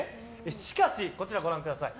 しかし、こちらご覧ください。